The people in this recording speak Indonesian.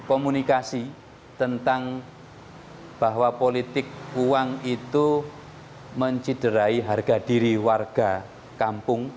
komunikasi tentang bahwa politik uang itu menciderai harga diri warga kampung